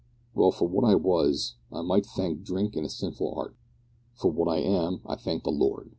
"Well. For what I was, I might thank drink and a sinful heart. For what I am I thank the Lord.